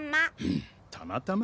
んたまたま？